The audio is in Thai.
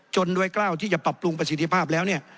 จนด้วยกร้าวที่จะปรับปรุงประสิทธิภาพแล้ว